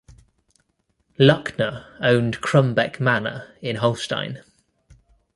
Luckner owned Krummbek Manor in Holstein.